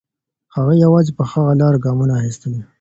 هغې یوازې په هغه لاره ګامونه اخیستل.